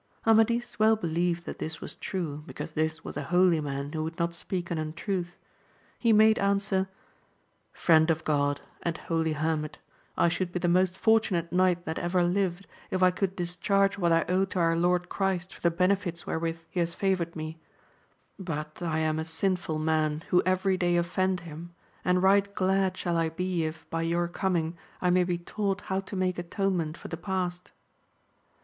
Amadis well believed that this was true, because this was a holy man, who would not speak an untruth ; he made an swer. Friend of God, and holy hermit, I should be the most fortunate knight that ever lived if I could dis charge what I owe to our Lord Christ for the benefits AMADIS OF GAUL 211 wherewith he has favoured me ; but I am a sinful man, who every day offend him, and right glad shall I be if, by your coming, I may be taught how to make atonement for the past.